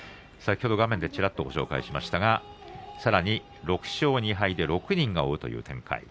先ほど画面でちらりとご紹介しましたがさらに６勝２敗で６人が追うという展開。